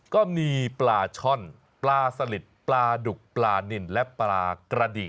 ก็มีปลาช่อนปลาสลิดปลาดุกปลานินและปลากระดิ